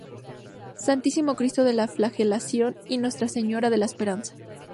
Santísimo Cristo de la Flagelación y Nuestra Señora de la Esperanza.